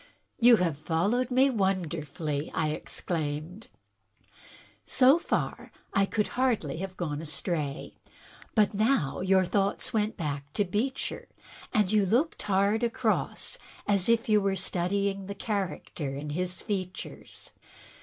"You have followed me wonderfully!" I exclaimed. " So far I could hardly have gone astray. But now your thoughts went back to Beecher, and you looked hard across as if you were studying the character in his features.